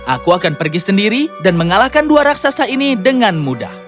aku akan pergi sendiri dan mengalahkan dua raksasa ini dengan mudah